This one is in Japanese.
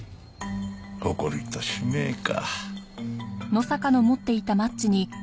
「誇りと使命」か。